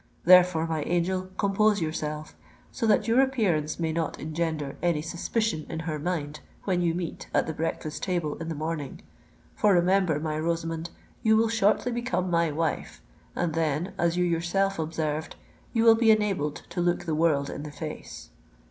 Therefore, my angel, compose yourself, so that your appearance may not engender any suspicion in her mind when you meet at the breakfast table in the morning:—for, remember, my Rosamond, you will shortly become my wife,—and then, as you yourself observed, you will be enabled to look the world in the face!"